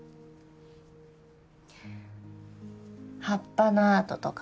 葉っぱのアートとか。